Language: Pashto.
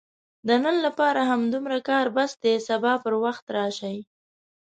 د نن لپاره همدومره کار بس دی، سبا پر وخت راشئ!